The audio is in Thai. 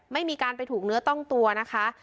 ไม่มีการไปถูกเนื้อต้องตัวนะคะ